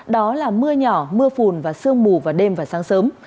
đó là mưa nhỏ mưa phùn và sương mù vào đêm và sáng sớm